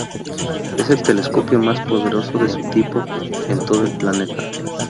Es el telescopio más poderoso de su tipo en todo el planeta.